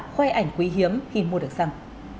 khoai ảnh quý hiếm khi mua được xăng